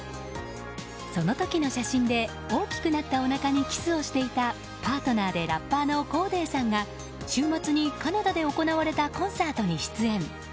その時の写真で大きくなったおなかにキスをしていたパートナーでラッパーのコーデーさんが週末にカナダで行われたコンサートに出演。